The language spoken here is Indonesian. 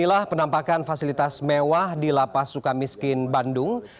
inilah penampakan fasilitas mewah di lapas suka miskin bandung